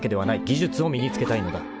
［技術を身に付けたいのだ］